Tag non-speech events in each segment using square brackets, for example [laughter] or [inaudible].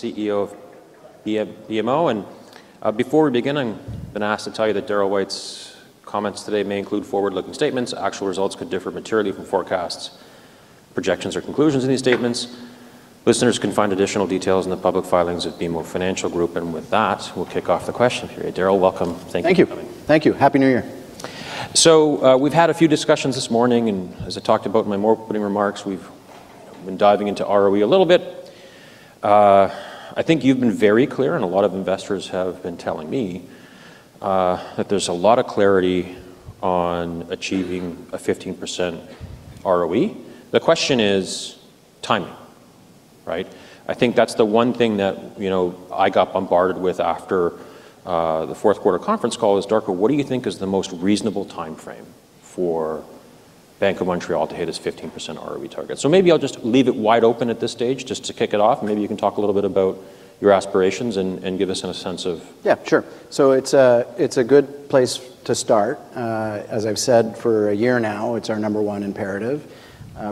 CEO of BMO. And before we begin, I've been asked to tell you that Darryl White's comments today may include forward-looking statements. Actual results could differ materially from forecasts, projections, or conclusions in these statements. Listeners can find additional details in the public filings of BMO Financial Group. And with that, we'll kick off the question period. Darryl, welcome. Thank you for coming. Thank you. Happy New Year. So we've had a few discussions this morning. And as I talked about in my opening remarks, we've been diving into ROE a little bit. I think you've been very clear, and a lot of investors have been telling me that there's a lot of clarity on achieving a 15% ROE. The question is timing, right? I think that's the one thing that I got bombarded with after the fourth quarter conference call is, "Darko, what do you think is the most reasonable time frame for Bank of Montreal to hit its 15% ROE target?" So maybe I'll just leave it wide open at this stage just to kick it off. Maybe you can talk a little bit about your aspirations and give us a sense of. Yeah, sure. So it's a good place to start. As I've said for a year now, it's our number one imperative.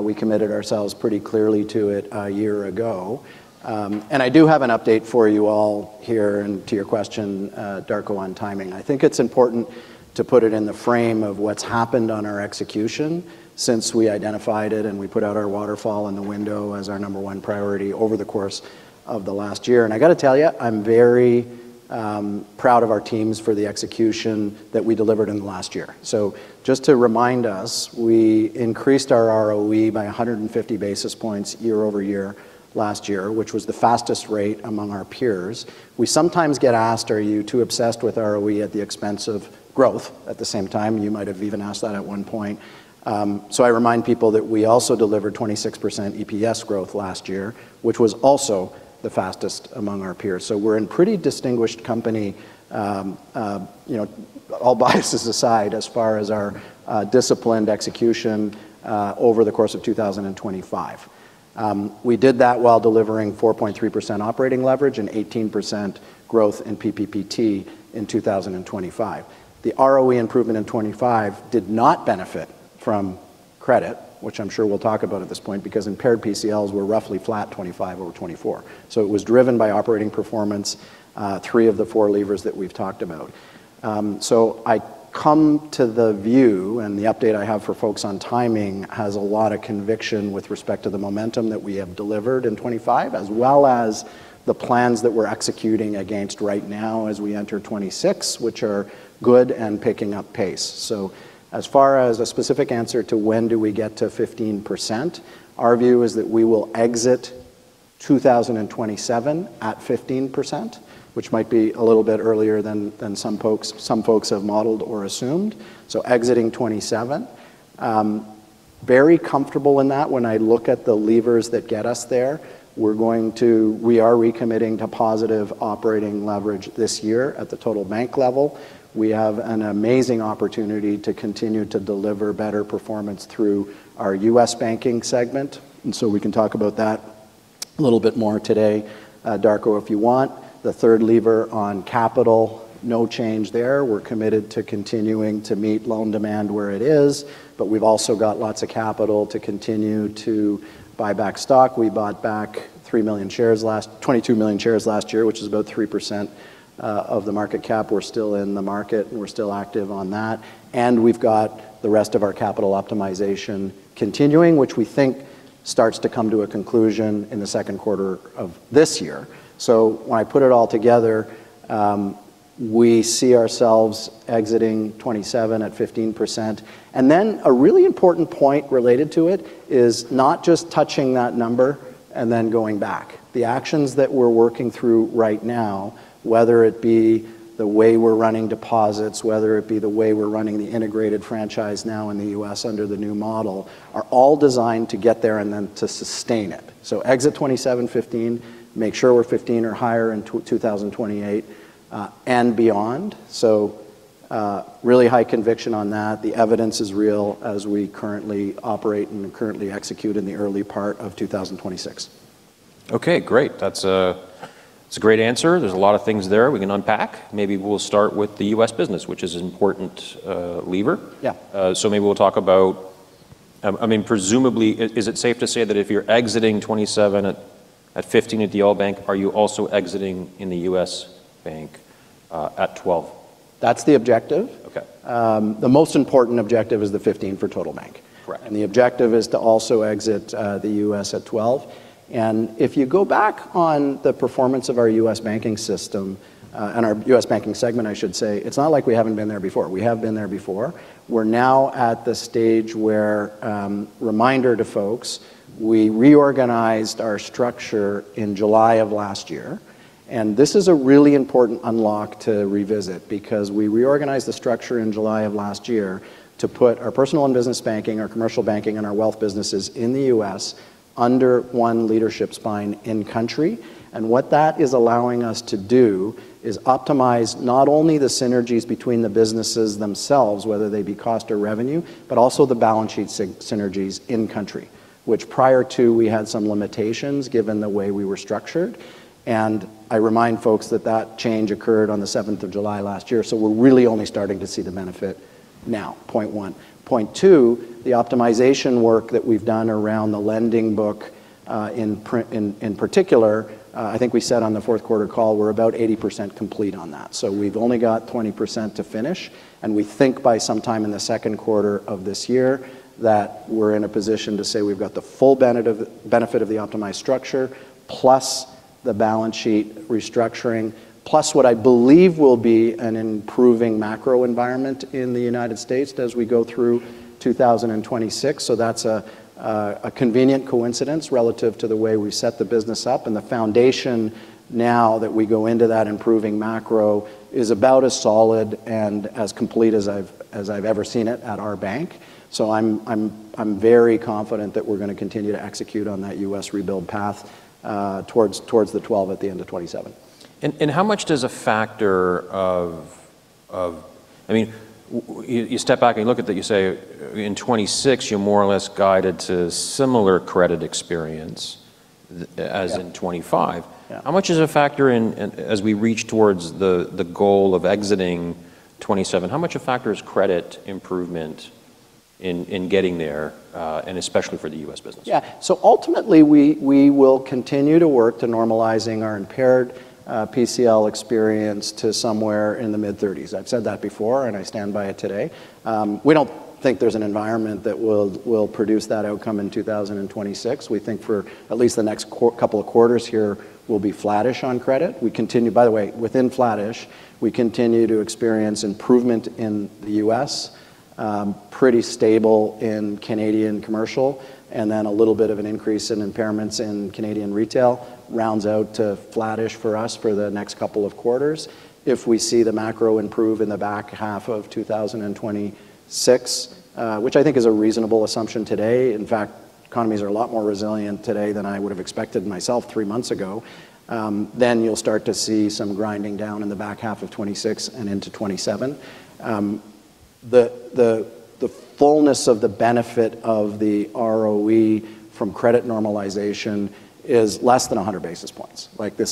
We committed ourselves pretty clearly to it a year ago, and I do have an update for you all here, and to your question, Darko, on timing, I think it's important to put it in the frame of what's happened on our execution since we identified it and we put out our waterfall and the window as our number one priority over the course of the last year, and I got to tell you, I'm very proud of our teams for the execution that we delivered in the last year, so just to remind us, we increased our ROE by 150 basis points year over year last year, which was the fastest rate among our peers. We sometimes get asked, "Are you too obsessed with ROE at the expense of growth?" At the same time, you might have even asked that at one point. So I remind people that we also delivered 26% EPS growth last year, which was also the fastest among our peers. So we're in pretty distinguished company, all biases aside, as far as our disciplined execution over the course of 2025. We did that while delivering 4.3% operating leverage and 18% growth in PPPT in 2025. The ROE improvement in 2025 did not benefit from credit, which I'm sure we'll talk about at this point, because impaired PCLs were roughly flat 2025 over 2024. So it was driven by operating performance, three of the four levers that we've talked about. I come to the view, and the update I have for folks on timing has a lot of conviction with respect to the momentum that we have delivered in 2025, as well as the plans that we're executing against right now as we enter 2026, which are good and picking up pace. As far as a specific answer to when do we get to 15%, our view is that we will exit 2027 at 15%, which might be a little bit earlier than some folks have modeled or assumed. Exiting 2027. Very comfortable in that. When I look at the levers that get us there, we are recommitting to positive operating leverage this year at the total bank level. We have an amazing opportunity to continue to deliver better performance through our U.S. banking segment. And so we can talk about that a little bit more today. Darko, if you want, the third lever on capital, no change there. We're committed to continuing to meet loan demand where it is. But we've also got lots of capital to continue to buy back stock. We bought back three million shares last, 22 million shares last year, which is about 3% of the market cap. We're still in the market, and we're still active on that. And we've got the rest of our capital optimization continuing, which we think starts to come to a conclusion in the second quarter of this year. So when I put it all together, we see ourselves exiting 2027 at 15%. And then a really important point related to it is not just touching that number and then going back. The actions that we're working through right now, whether it be the way we're running deposits, whether it be the way we're running the integrated franchise now in the U.S. under the new model, are all designed to get there and then to sustain it. So exit 2027, 15, make sure we're 15 or higher in 2028 and beyond. So really high conviction on that. The evidence is real as we currently operate and currently execute in the early part of 2026. Okay, great. That's a great answer. There's a lot of things there we can unpack. Maybe we'll start with the U.S. business, which is an important lever. Yeah. Maybe we'll talk about, I mean, presumably, is it safe to say that if you're exiting 2027 at 15 at the whole bank, are you also exiting in the U.S. bank at 12? That's the objective. Okay. The most important objective is the 15% for total bank. Correct. And the objective is to also exit the U.S. at 12%. And if you go back on the performance of our U.S. banking system and our U.S. banking segment, I should say, it's not like we haven't been there before. We have been there before. We're now at the stage where, reminder to folks, we reorganized our structure in July of last year. And this is a really important unlock to revisit because we reorganized the structure in July of last year to put our personal and business banking, our commercial banking, and our wealth businesses in the U.S. under one leadership spine in country. And what that is allowing us to do is optimize not only the synergies between the businesses themselves, whether they be cost or revenue, but also the balance sheet synergies in country, which, prior to, we had some limitations given the way we were structured. I remind folks that that change occurred on the 7th of July last year. So we're really only starting to see the benefit now, point one. Point two, the optimization work that we've done around the lending book in particular, I think we said on the fourth quarter call, we're about 80% complete on that. So we've only got 20% to finish. And we think by sometime in the second quarter of this year that we're in a position to say we've got the full benefit of the optimized structure plus the balance sheet restructuring, plus what I believe will be an improving macro environment in the United States as we go through 2026. So that's a convenient coincidence relative to the way we set the business up. The foundation now that we go into that improving macro is about as solid and as complete as I've ever seen it at our bank. I'm very confident that we're going to continue to execute on that U.S. rebuild path towards the 12 at the end of 2027. How much of a factor is, I mean, you step back and you look at that. You say in 2026, you're more or less guided to similar credit experience as in 2025. How much of a factor is credit improvement in getting there, as we reach towards the goal of exiting 2027, and especially for the U.S. business? Yeah. So, ultimately, we will continue to work to normalizing our impaired PCL experience to somewhere in the mid-30s. I've said that before, and I stand by it today. We don't think there's an environment that will produce that outcome in 2026. We think for at least the next couple of quarters here, we'll be flattish on credit. We continue, by the way, within flattish, we continue to experience improvement in the U.S., pretty stable in Canadian commercial, and then a little bit of an increase in impairments in Canadian retail rounds out to flattish for us for the next couple of quarters if we see the macro improve in the back half of 2026, which I think is a reasonable assumption today. In fact, economies are a lot more resilient today than I would have expected myself three months ago. You'll start to see some grinding down in the back half of 2026 and into 2027. The fullness of the benefit of the ROE from credit normalization is less than 100 basis points.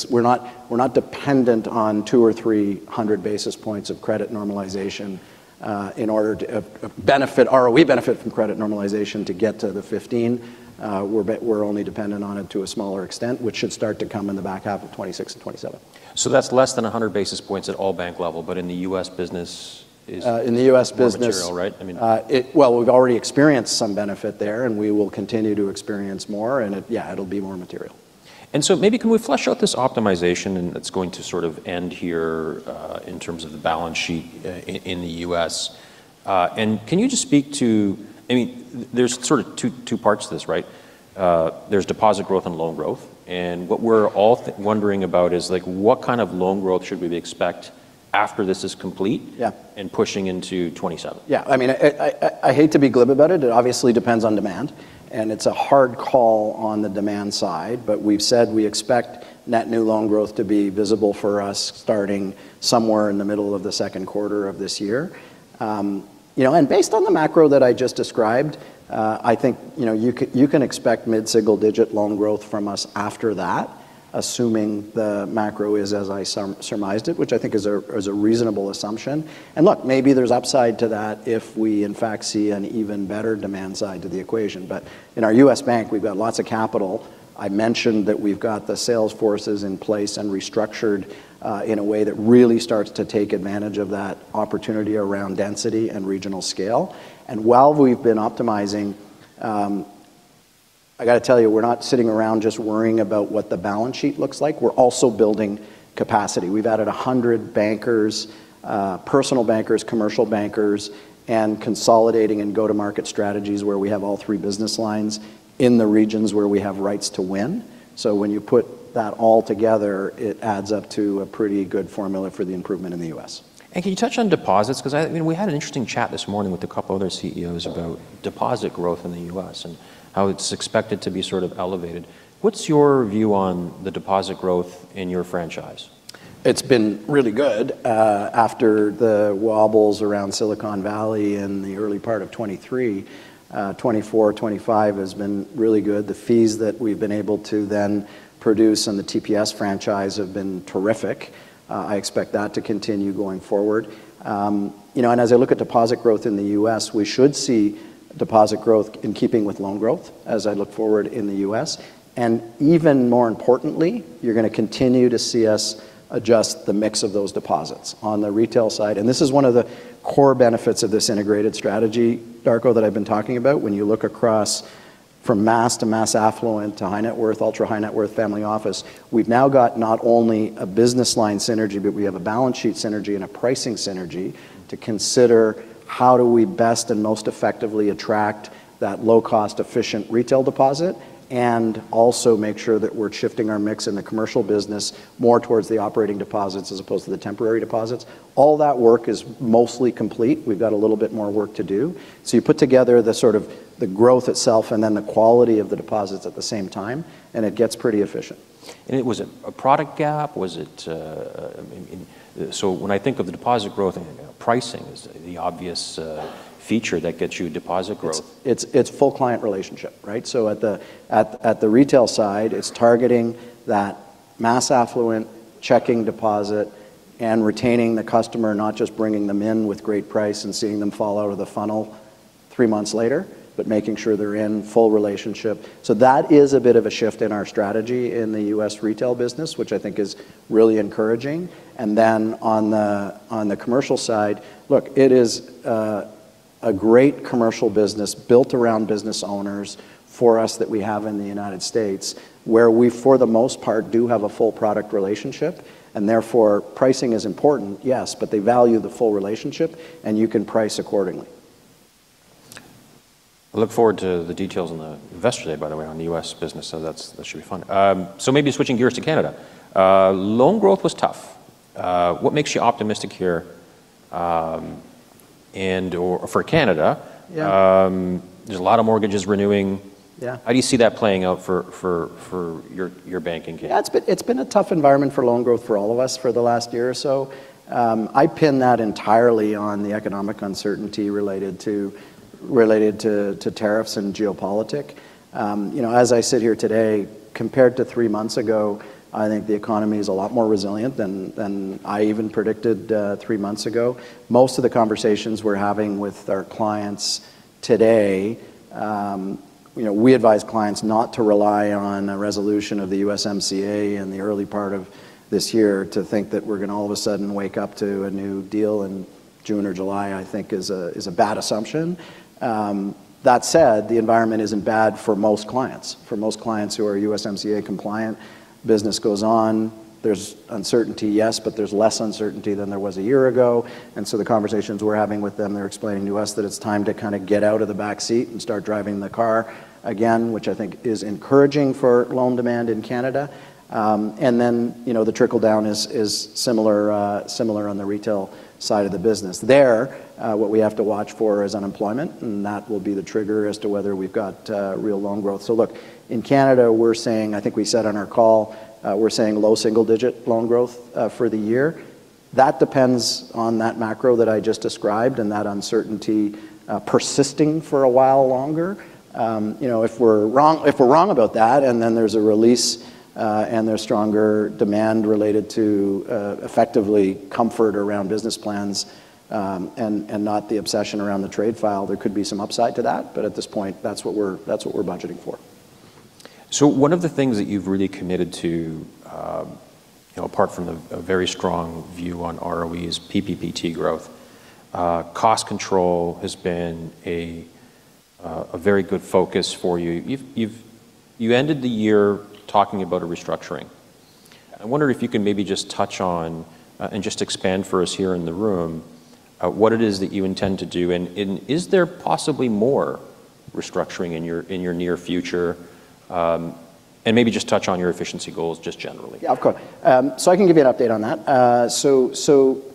We're not dependent on two or three hundred basis points of credit normalization in order to benefit ROE from credit normalization to get to the 15%. We're only dependent on it to a smaller extent, which should start to come in the back half of 2026 and 2027. So that's less than 100 basis points at all bank level, but in the U.S. business is. In the U.S. business. Material, right? I mean. Well, we've already experienced some benefit there, and we will continue to experience more. And yeah, it'll be more material. And so maybe can we flesh out this optimization, and it's going to sort of end here in terms of the balance sheet in the U.S. And can you just speak to, I mean, there's sort of two parts to this, right? There's deposit growth and loan growth. And what we're all wondering about is what kind of loan growth should we expect after this is complete and pushing into 2027? Yeah. I mean, I hate to be glib about it. It obviously depends on demand. And it's a hard call on the demand side. But we've said we expect net new loan growth to be visible for us starting somewhere in the middle of the second quarter of this year. And based on the macro that I just described, I think you can expect mid-single digit loan growth from us after that, assuming the macro is as I surmised it, which I think is a reasonable assumption. And look, maybe there's upside to that if we in fact see an even better demand side to the equation. But in our U.S. bank, we've got lots of capital. I mentioned that we've got the sales forces in place and restructured in a way that really starts to take advantage of that opportunity around density and regional scale. While we've been optimizing, I got to tell you, we're not sitting around just worrying about what the balance sheet looks like. We're also building capacity. We've added 100 bankers, personal bankers, commercial bankers, and consolidating and go-to-market strategies where we have all three business lines in the regions where we have rights to win. When you put that all together, it adds up to a pretty good formula for the improvement in the U.S. Can you touch on deposits? Because we had an interesting chat this morning with a couple of other CEOs about deposit growth in the U.S. and how it's expected to be sort of elevated. What's your view on the deposit growth in your franchise? It's been really good. After the wobbles around Silicon Valley in the early part of 2023, 2024, 2025 has been really good. The fees that we've been able to then produce on the TPS franchise have been terrific. I expect that to continue going forward. As I look at deposit growth in the U.S., we should see deposit growth in keeping with loan growth as I look forward in the U.S. And even more importantly, you're going to continue to see us adjust the mix of those deposits on the retail side. And this is one of the core benefits of this integrated strategy, Darko, that I've been talking about. When you look across from mass to mass affluent to high net worth, ultra high net worth family office, we've now got not only a business line synergy, but we have a balance sheet synergy and a pricing synergy to consider, how do we best and most effectively attract that low-cost, efficient retail deposit and also make sure that we're shifting our mix in the commercial business more towards the operating deposits as opposed to the temporary deposits. All that work is mostly complete. We've got a little bit more work to do. So you put together the sort of growth itself and then the quality of the deposits at the same time, and it gets pretty efficient. Was it a product gap? Was it, so when I think of the deposit growth and pricing is the obvious feature that gets you deposit growth. It's full client relationship, right? So at the retail side, it's targeting that mass affluent checking deposit and retaining the customer, not just bringing them in with great price and seeing them fall out of the funnel three months later, but making sure they're in full relationship. So that is a bit of a shift in our strategy in the U.S. retail business, which I think is really encouraging. And then on the commercial side, look, it is a great commercial business built around business owners for us that we have in the United States where we, for the most part, do have a full product relationship. And therefore, pricing is important, yes, but they value the full relationship, and you can price accordingly. I look forward to the details on the investor day, by the way, on the U.S. business. So that should be fun. So maybe switching gears to Canada. Loan growth was tough. What makes you optimistic here? And for Canada, there's a lot of mortgages renewing. How do you see that playing out for your banking? Yeah, it's been a tough environment for loan growth for all of us for the last year or so. I pin that entirely on the economic uncertainty related to tariffs and geopolitics. As I sit here today, compared to three months ago, I think the economy is a lot more resilient than I even predicted three months ago. Most of the conversations we're having with our clients today, we advise clients not to rely on a resolution of the USMCA in the early part of this year to think that we're going to all of a sudden wake up to a new deal in June or July, I think is a bad assumption. That said, the environment isn't bad for most clients. For most clients who are USMCA compliant, business goes on. There's uncertainty, yes, but there's less uncertainty than there was a year ago. And so the conversations we're having with them, they're explaining to us that it's time to kind of get out of the back seat and start driving the car again, which I think is encouraging for loan demand in Canada. And then the trickle down is similar on the retail side of the business. There, what we have to watch for is unemployment, and that will be the trigger as to whether we've got real loan growth. So look, in Canada, we're saying, I think we said on our call, we're saying low single-digit loan growth for the year. That depends on that macro that I just described and that uncertainty persisting for a while longer. If we're wrong about that, and then there's a release and there's stronger demand related to effectively comfort around business plans and not the obsession around the trade file, there could be some upside to that, but at this point, that's what we're budgeting for. So one of the things that you've really committed to, apart from a very strong view on ROEs, PPPT growth, cost control has been a very good focus for you. You ended the year talking about a restructuring. I wonder if you can maybe just touch on and just expand for us here in the room what it is that you intend to do. Is there possibly more restructuring in your near future? And maybe just touch on your efficiency goals just generally. Yeah, of course. I can give you an update on that.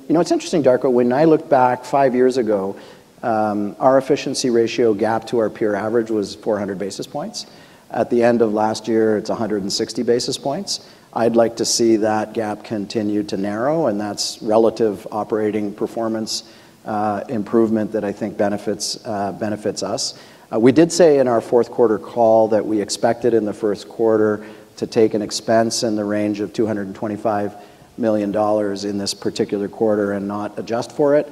It's interesting, Darko. When I looked back five years ago, our efficiency ratio gap to our peer average was 400 basis points. At the end of last year, it's 160 basis points. I'd like to see that gap continue to narrow. That's relative operating performance improvement that I think benefits us. We did say in our fourth quarter call that we expected in the first quarter to take an expense in the range of $225 million in this particular quarter and not adjust for it.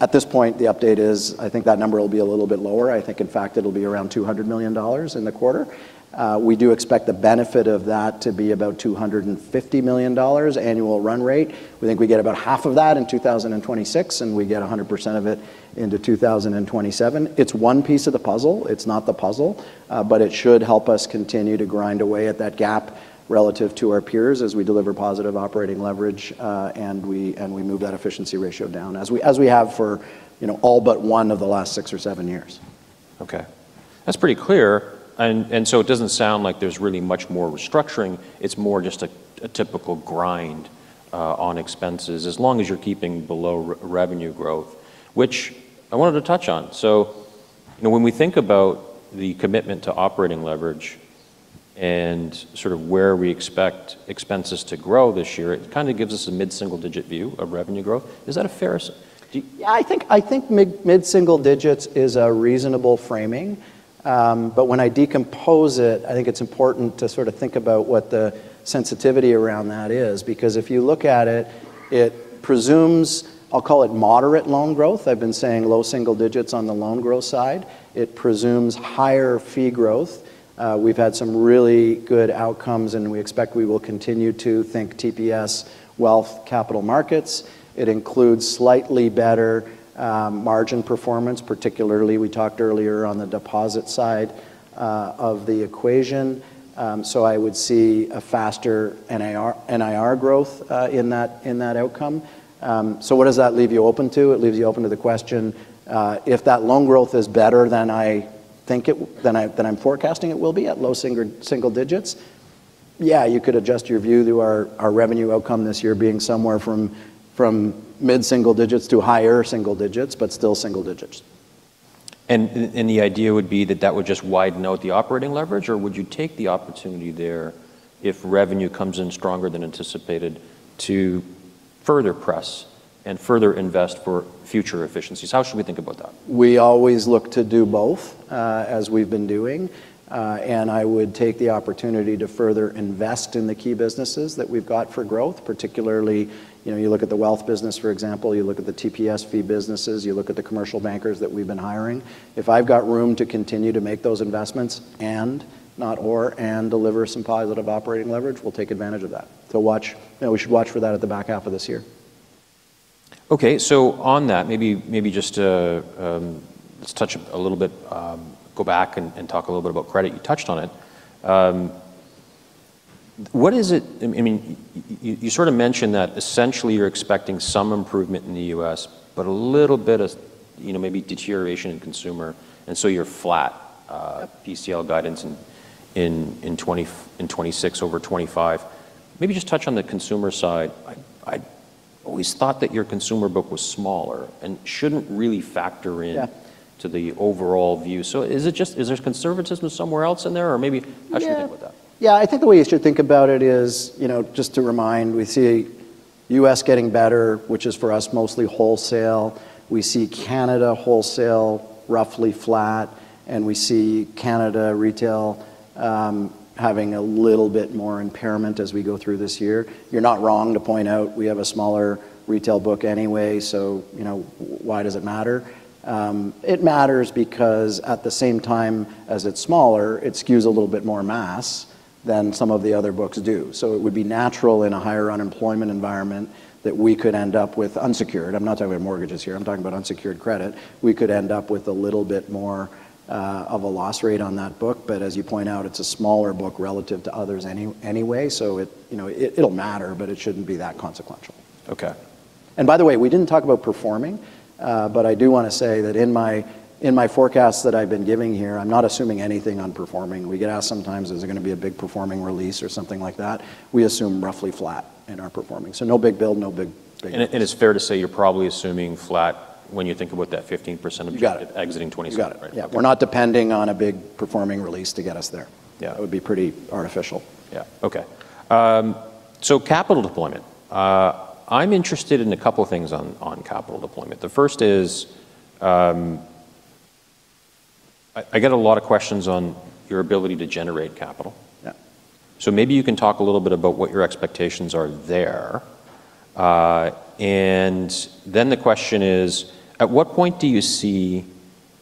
At this point, the update is I think that number will be a little bit lower. I think in fact it'll be around $200 million in the quarter. We do expect the benefit of that to be about $250 million annual run rate. We think we get about half of that in 2026, and we get 100% of it into 2027. It's one piece of the puzzle. It's not the puzzle, but it should help us continue to grind away at that gap relative to our peers as we deliver positive operating leverage and we move that efficiency ratio down as we have for all but one of the last six or seven years. Okay. That's pretty clear. And so it doesn't sound like there's really much more restructuring. It's more just a typical grind on expenses as long as you're keeping below revenue growth, which I wanted to touch on. So when we think about the commitment to operating leverage and sort of where we expect expenses to grow this year, it kind of gives us a mid-single digit view of revenue growth. Is that a fair assessment? Yeah, I think mid-single digits is a reasonable framing. But when I decompose it, I think it's important to sort of think about what the sensitivity around that is. Because if you look at it, it presumes, I'll call it moderate loan growth. I've been saying low single-digits on the loan growth side. It presumes higher fee growth. We've had some really good outcomes, and we expect we will continue to think TPS, wealth, capital markets. It includes slightly better margin performance, particularly we talked earlier on the deposit side of the equation. So I would see a faster NIR growth in that outcome. So what does that leave you open to? It leaves you open to the question if that loan growth is better than I think it, than I'm forecasting it will be at low single-digits. Yeah, you could adjust your view through our revenue outcome this year being somewhere from mid-single digits to higher single-digits, but still single-digits. The idea would be that that would just widen out the operating leverage, or would you take the opportunity there if revenue comes in stronger than anticipated to further press and further invest for future efficiencies? How should we think about that? We always look to do both as we've been doing, and I would take the opportunity to further invest in the key businesses that we've got for growth, particularly you look at the wealth business, for example. You look at the TPS fee businesses. You look at the commercial bankers that we've been hiring. If I've got room to continue to make those investments and/or and deliver some positive operating leverage, we'll take advantage of that, so we should watch for that at the back half of this year. Okay. So on that, maybe just let's touch a little bit, go back and talk a little bit about credit. You touched on it. What is it? I mean, you sort of mentioned that essentially you're expecting some improvement in the U.S., but a little bit of maybe deterioration in consumer. And so you're flat PCL guidance in 2026 over 2025. Maybe just touch on the consumer side. I always thought that your consumer book was smaller and shouldn't really factor into the overall view. So is there conservatism somewhere else in there? Or maybe how should you think about that? Yeah, I think the way you should think about it is just to remind we see U.S. getting better, which is for us mostly wholesale. We see Canada wholesale roughly flat. And we see Canada retail having a little bit more impairment as we go through this year. You're not wrong to point out we have a smaller retail book anyway. So why does it matter? It matters because at the same time as it's smaller, it skews a little bit more mass than some of the other books do. So it would be natural in a higher unemployment environment that we could end up with unsecured. I'm not talking about mortgages here. I'm talking about unsecured credit. We could end up with a little bit more of a loss rate on that book. But as you point out, it's a smaller book relative to others anyway. So it'll matter, but it shouldn't be that consequential. Okay. And by the way, we didn't talk about performing. But I do want to say that in my forecasts that I've been giving here, I'm not assuming anything on performing. We get asked sometimes, is there going to be a big performing release or something like that? We assume roughly flat in our performing. So no big build, no big growth. It's fair to say you're probably assuming flat when you think about that 15% of exiting 2027, right? We're not depending on a big performing release to get us there. That would be pretty artificial. Yeah. Okay. So capital deployment. I'm interested in a couple of things on capital deployment. The first is, I get a lot of questions on your ability to generate capital. So maybe you can talk a little bit about what your expectations are there. And then the question is, at what point do you see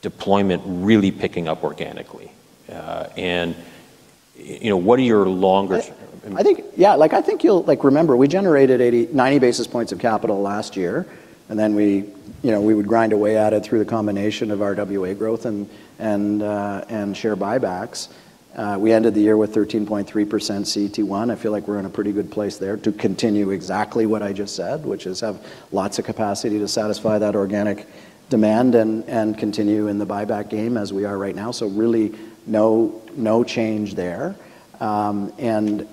deployment really picking up organically? And what are your longer? Yeah, I think you'll remember we generated 90 basis points of capital last year. And then we would grind away at it through the combination of our RWA growth and share buybacks. We ended the year with 13.3% CET1. I feel like we're in a pretty good place there to continue exactly what I just said, which is have lots of capacity to satisfy that organic demand and continue in the buyback game as we are right now. So really no change there. And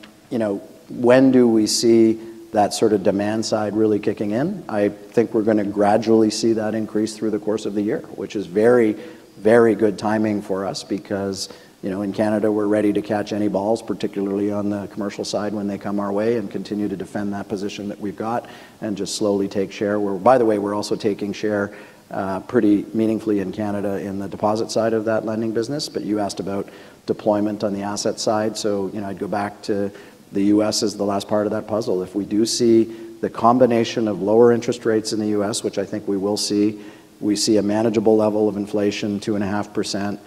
when do we see that sort of demand side really kicking in? I think we're going to gradually see that increase through the course of the year, which is very, very good timing for us because in Canada, we're ready to catch any balls, particularly on the commercial side when they come our way and continue to defend that position that we've got and just slowly take share. By the way, we're also taking share pretty meaningfully in Canada in the deposit side of that lending business. But you asked about deployment on the asset side. So I'd go back to the U.S. as the last part of that puzzle. If we do see the combination of lower interest rates in the U.S., which I think we will see, we see a manageable level of inflation, 2.5%.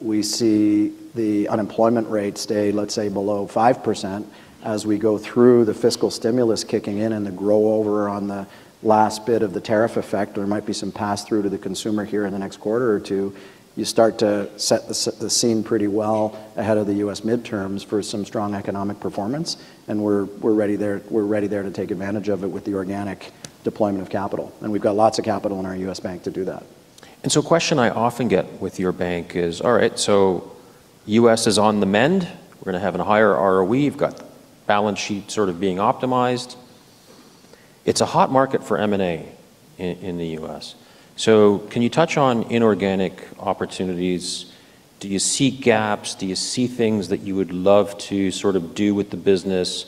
We see the unemployment rate stay, let's say, below 5% as we go through the fiscal stimulus kicking in and the growth over on the last bit of the tariff effect. There might be some pass-through to the consumer here in the next quarter or two. You start to set the scene pretty well ahead of the U.S. midterms for some strong economic performance. We're ready there to take advantage of it with the organic deployment of capital. And we've got lots of capital in our U.S. bank to do that. And so a question I often get with your bank is, all right, so U.S. is on the mend. We're going to have a higher ROE. You've got balance sheet sort of being optimized. It's a hot market for M&A in the U.S. So can you touch on inorganic opportunities? Do you see gaps? Do you see things that you would love to sort of do with the business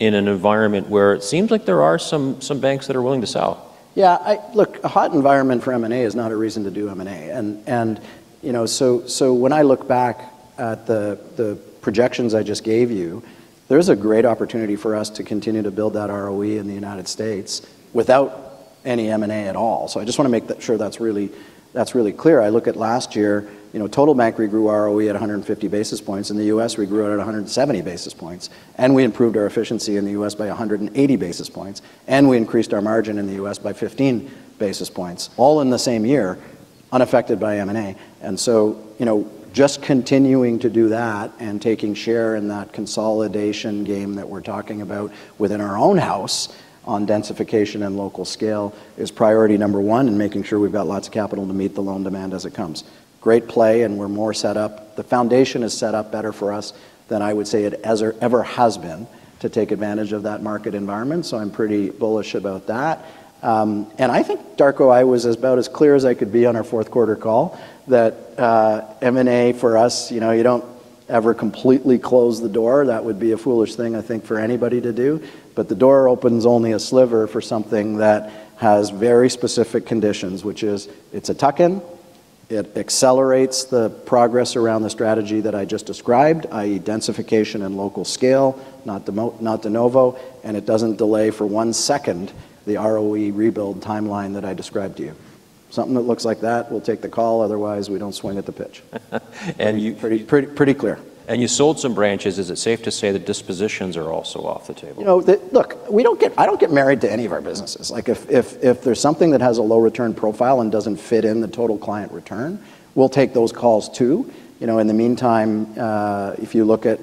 in an environment where it seems like there are some banks that are willing to sell? Yeah. Look, a hot environment for M&A is not a reason to do M&A. And so when I look back at the projections I just gave you, there is a great opportunity for us to continue to build that ROE in the United States without any M&A at all. So I just want to make sure that's really clear. I look at last year, total bank we grew ROE at 150 basis points. In the U.S., we grew it at 170 basis points, and we improved our efficiency in the U.S. by 180 basis points, and we increased our margin in the U.S. by 15 basis points, all in the same year, unaffected by M&A. And so, just continuing to do that and taking share in that consolidation game that we're talking about within our own house on densification and local scale is priority number one, and making sure we've got lots of capital to meet the loan demand as it comes. Great play. And we're more set up. The foundation is set up better for us than I would say it ever has been to take advantage of that market environment. So I'm pretty bullish about that. And I think, Darko, I was about as clear as I could be on our fourth quarter call that M&A for us, you don't ever completely close the door. That would be a foolish thing, I think, for anybody to do. But the door opens only a sliver for something that has very specific conditions, which is it's a tuck-in. It accelerates the progress around the strategy that I just described, i.e., densification and local scale, not de novo. And it doesn't delay for one second the ROE rebuild timeline that I described to you. Something that looks like that will take the call. Otherwise, we don't swing at the pitch. Pretty clear. You sold some branches. Is it safe to say the dispositions are also off the table? You know, look, I don't get married to any of our businesses. If there's something that has a low return profile and doesn't fit in the total client return, we'll take those calls too. In the meantime, if you look at,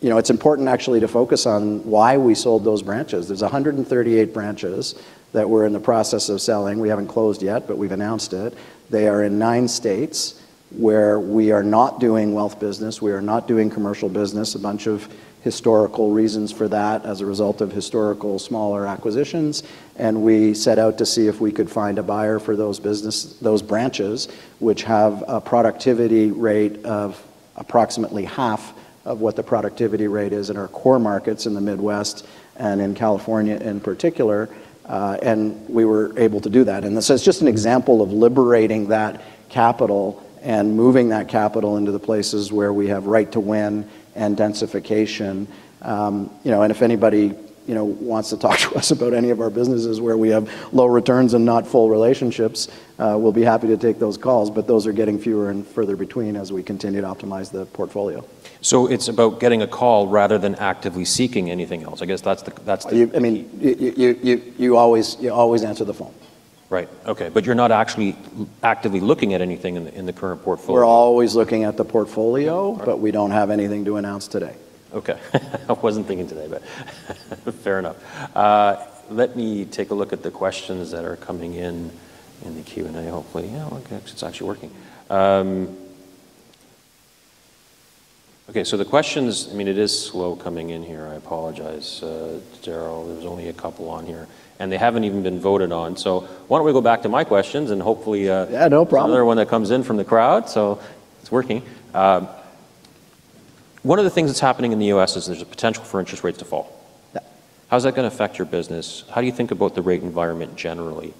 it's important actually to focus on why we sold those branches. There's 138 branches that we're in the process of selling. We haven't closed yet, but we've announced it. They are in nine states where we are not doing wealth business. We are not doing commercial business. A bunch of historical reasons for that as a result of historical smaller acquisitions. And we set out to see if we could find a buyer for those branches, which have a productivity rate of approximately half of what the productivity rate is in our core markets in the Midwest and in California in particular. And we were able to do that. And this is just an example of liberating that capital and moving that capital into the places where we have right to win and densification. And if anybody wants to talk to us about any of our businesses where we have low returns and not full relationships, we'll be happy to take those calls. But those are getting fewer and further between as we continue to optimize the portfolio. So it's about getting a call rather than actively seeking anything else. I guess that's the. I mean, you always answer the phone. Right. Okay. But you're not actually actively looking at anything in the current portfolio. We're always looking at the portfolio, but we don't have anything to announce today. Okay. I wasn't thinking today, but fair enough. Let me take a look at the questions that are coming in the Q&A, hopefully. Yeah, it's actually working. Okay, so the questions, I mean, it is slow coming in here. I apologize, Darryl. There's only a couple on here, and they haven't even been voted on, so why don't we go back to my questions and hopefully. Yeah, no problem. Another one that comes in from the crowd. So it's working. One of the things that's happening in the U.S. is there's a potential for interest rates to fall. How's that going to affect your business? How do you think about the rate environment generally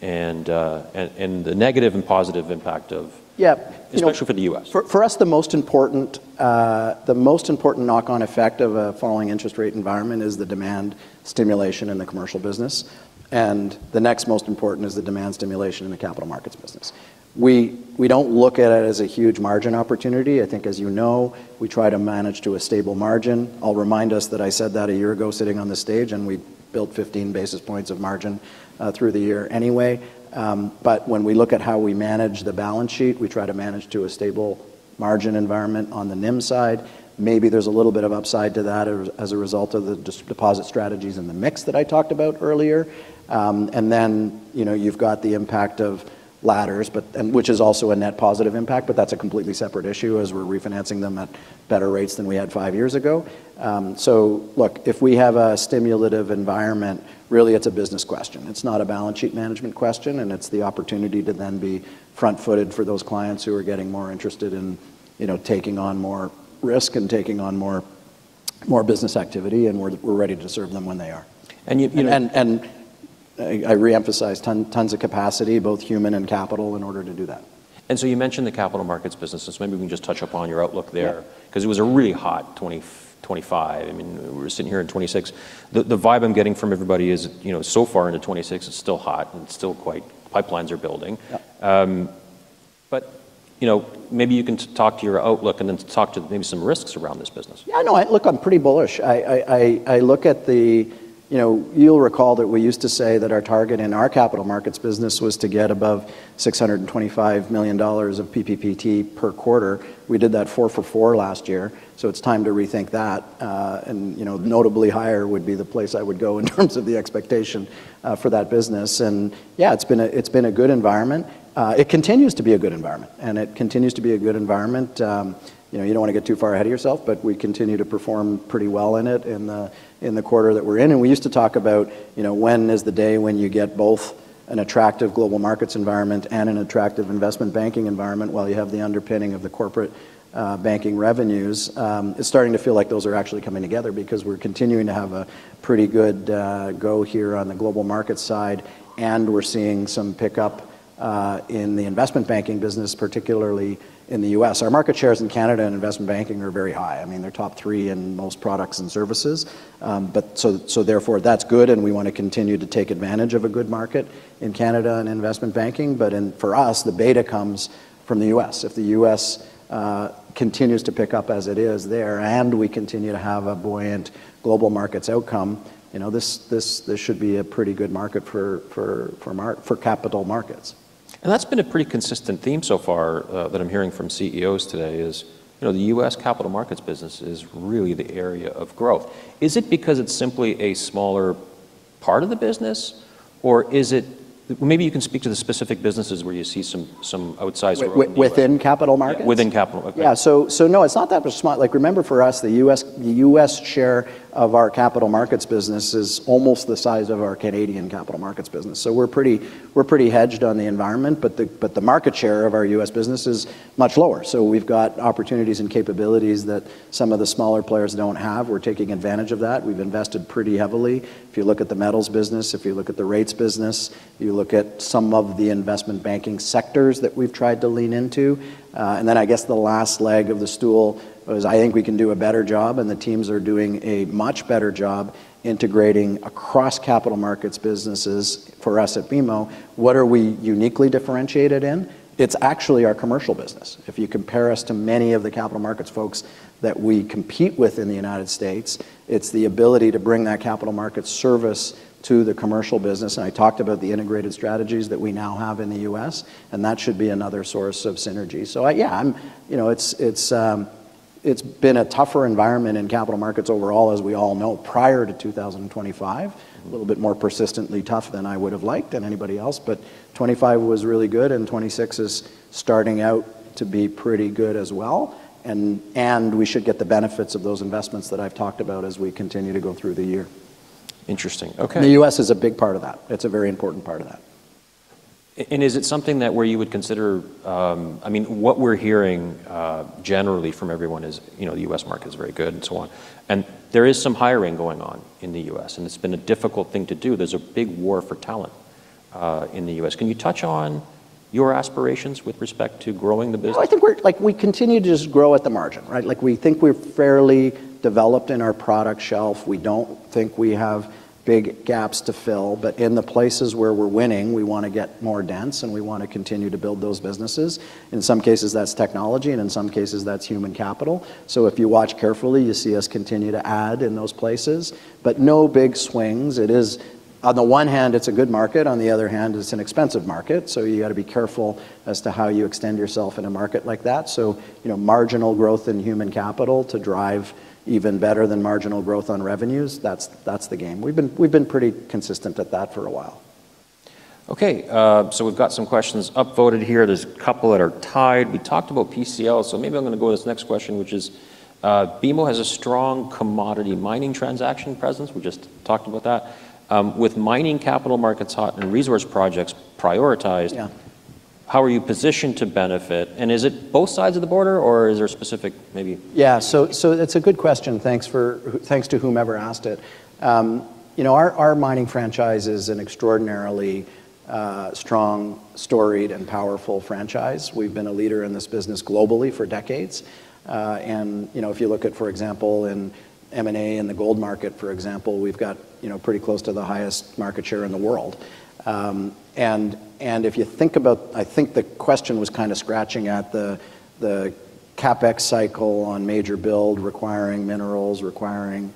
and the negative and positive impact of, especially for the U.S.? For us, the most important knock-on effect of a falling interest rate environment is the demand stimulation in the commercial business, and the next most important is the demand stimulation in the capital markets business. We don't look at it as a huge margin opportunity. I think, as you know, we try to manage to a stable margin. I'll remind us that I said that a year ago sitting on the stage, and we built 15 basis points of margin through the year anyway, but when we look at how we manage the balance sheet, we try to manage to a stable margin environment on the NIM side. Maybe there's a little bit of upside to that as a result of the deposit strategies in the mix that I talked about earlier. And then you've got the impact of ladders, which is also a net positive impact, but that's a completely separate issue as we're refinancing them at better rates than we had five years ago. So look, if we have a stimulative environment, really it's a business question. It's not a balance sheet management question. And it's the opportunity to then be front-footed for those clients who are getting more interested in taking on more risk and taking on more business activity. And we're ready to serve them when they are. And I reemphasize tons of capacity, both human and capital, in order to do that. And so you mentioned the capital markets business. So maybe we can just touch upon your outlook there because it was a really hot 2025. I mean, we were sitting here in 2026. The vibe I'm getting from everybody is so far into 2026, it's still hot and still quite pipelines are building. But maybe you can talk to your outlook and then talk to maybe some risks around this business. Yeah. No, look, I'm pretty bullish. I look at the. You'll recall that we used to say that our target in our capital markets business was to get above $625 million of PPPT per quarter. We did that four for four last year. So it's time to rethink that. And notably higher would be the place I would go in terms of the expectation for that business. And yeah, it's been a good environment. It continues to be a good environment. You don't want to get too far ahead of yourself, but we continue to perform pretty well in it in the quarter that we're in. And we used to talk about when is the day when you get both an attractive global markets environment and an attractive investment banking environment while you have the underpinning of the corporate banking revenues. It's starting to feel like those are actually coming together because we're continuing to have a pretty good go here on the global market side, and we're seeing some pickup in the investment banking business, particularly in the U.S. Our market shares in Canada and investment banking are very high. I mean, they're top three in most products and services, so therefore that's good, and we want to continue to take advantage of a good market in Canada and investment banking, but for us, the beta comes from the U.S. If the U.S. continues to pick up as it is there and we continue to have a buoyant global markets outcome, this should be a pretty good market for capital markets. And that's been a pretty consistent theme so far that I'm hearing from CEOs today is the U.S. capital markets business is really the area of growth. Is it because it's simply a smaller part of the business? Or maybe you can speak to the specific businesses where you see some outsized growth. Within capital markets? Within capital. Yeah. So no, it's not that small. Like remember for us, the U.S. share of our capital markets business is almost the size of our Canadian capital markets business. So we're pretty hedged on the environment. But the market share of our U.S. business is much lower. So we've got opportunities and capabilities that some of the smaller players don't have. We're taking advantage of that. We've invested pretty heavily. If you look at the metals business, if you look at the rates business, you look at some of the investment banking sectors that we've tried to lean into. And then I guess the last leg of the stool is I think we can do a better job. And the teams are doing a much better job integrating across capital markets businesses for us at BMO. What are we uniquely differentiated in? It's actually our commercial business. If you compare us to many of the capital markets folks that we compete with in the United States, it's the ability to bring that capital markets service to the commercial business. And I talked about the integrated strategies that we now have in the U.S. And that should be another source of synergy. So yeah, it's been a tougher environment in capital markets overall, as we all know, prior to 2025, a little bit more persistently tough than I would have liked and anybody else. But 2025 was really good. And 2026 is starting out to be pretty good as well. We should get the benefits of those investments that I've talked about as we continue to go through the year. Interesting. Okay. The U.S. is a big part of that. It's a very important part of that. And is it something that where you would consider? I mean, what we're hearing generally from everyone is the U.S. market is very good and so on. And there is some hiring going on in the U.S. And it's been a difficult thing to do. There's a big war for talent in the U.S. Can you touch on your aspirations with respect to growing the business? I think we continue to just grow at the margin, right? We think we're fairly developed in our product shelf. We don't think we have big gaps to fill. But in the places where we're winning, we want to get more dense. And we want to continue to build those businesses. In some cases, that's technology. And in some cases, that's human capital. So if you watch carefully, you see us continue to add in those places. But no big swings. On the one hand, it's a good market. On the other hand, it's an expensive market. So you got to be careful as to how you extend yourself in a market like that. So marginal growth in human capital to drive even better than marginal growth on revenues, that's the game. We've been pretty consistent at that for a while. Okay. So we've got some questions upvoted here. There's a couple that are tied. We talked about PCL. So maybe I'm going to go to this next question, which is BMO has a strong commodity mining transaction presence. We just talked about that. With mining capital markets hot and resource projects prioritized, how are you positioned to benefit? And is it both sides of the border or is there a specific maybe? Yeah. So it's a good question. Thanks to whomever asked it. Our mining franchise is an extraordinarily strong, storied, and powerful franchise. We've been a leader in this business globally for decades. And if you look at, for example, in M&A and the gold market, for example, we've got pretty close to the highest market share in the world. And if you think about, I think the question was kind of scratching at the CapEx cycle on major build requiring minerals. And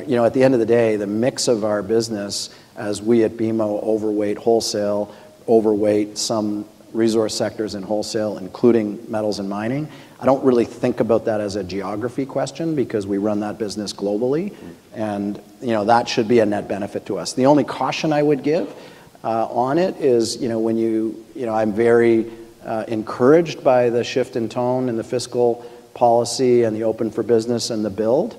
at the end of the day, the mix of our business as we at BMO overweight wholesale, overweight some resource sectors in wholesale, including metals and mining, I don't really think about that as a geography question because we run that business globally. And that should be a net benefit to us. The only caution I would give on it is when you, I'm very encouraged by the shift in tone and the fiscal policy and the open for business and the build,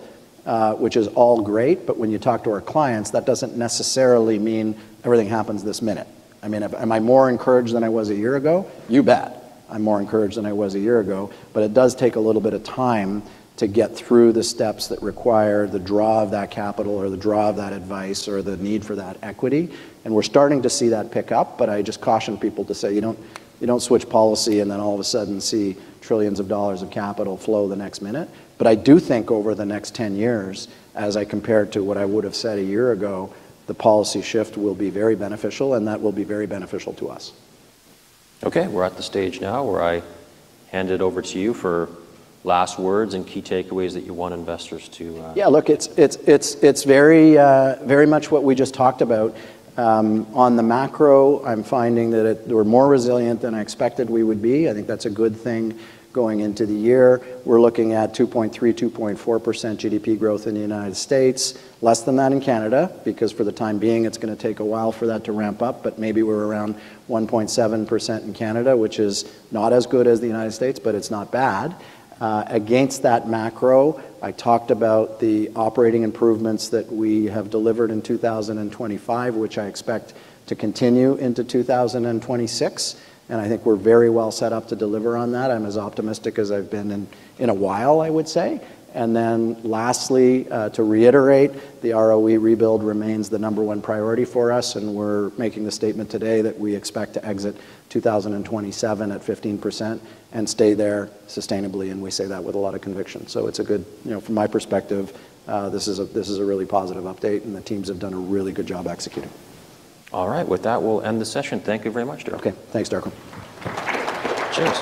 which is all great. But when you talk to our clients, that doesn't necessarily mean everything happens this minute. I mean, am I more encouraged than I was a year ago? You bet. I'm more encouraged than I was a year ago. But it does take a little bit of time to get through the steps that require the draw of that capital or the draw of that advice or the need for that equity. And we're starting to see that pick up. But I just caution people to say, you don't switch policy and then all of a sudden see trillions of dollars of capital flow the next minute. But I do think over the next 10 years, as I compare it to what I would have said a year ago, the policy shift will be very beneficial. And that will be very beneficial to us. Okay. We're at the stage now where I hand it over to you for last words and key takeaways that you want investors to. Yeah. Look, it's very much what we just talked about. On the macro, I'm finding that we're more resilient than I expected we would be. I think that's a good thing going into the year. We're looking at 2.3%-2.4% GDP growth in the United States, less than that in Canada because for the time being, it's going to take a while for that to ramp up, but maybe we're around 1.7% in Canada, which is not as good as the United States, but it's not bad. Against that macro, I talked about the operating improvements that we have delivered in 2025, which I expect to continue into 2026, and I think we're very well set up to deliver on that. I'm as optimistic as I've been in a while, I would say, and then lastly, to reiterate, the ROE rebuild remains the number one priority for us. And we're making the statement today that we expect to exit 2027 at 15% and stay there sustainably. And we say that with a lot of conviction. So it's a good, from my perspective, this is a really positive update. And the teams have done a really good job executing. All right. With that, we'll end the session. Thank you very much, Darryl. Okay. Thanks. [inaudible] Cheers.